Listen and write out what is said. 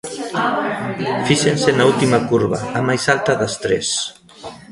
Fíxense na última curva, a máis alta das tres.